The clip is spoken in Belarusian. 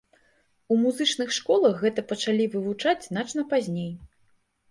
У музычных школах гэта пачалі вывучаць значна пазней.